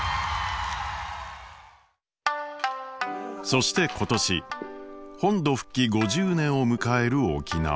そして今年「本土復帰５０年」を迎える沖縄。